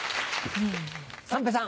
三平さん。